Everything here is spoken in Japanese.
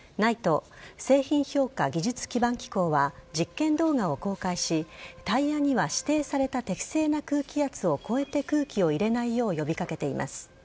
ＮＩＴＥ＝製品評価技術基盤機構は実験動画を公開しタイヤには指定された適正な空気圧を超えて空気を入れないよう呼び掛けています。